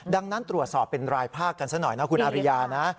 ดังนั้นตรวจสอบเป็นรายภาคกันซะหน่อยนะคุณอาริยานะ